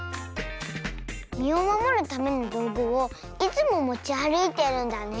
みをまもるためのどうぐをいつももちあるいてるんだね。